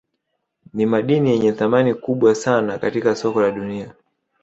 Nimadini yenye thamani kubwa sana katika soko la dunia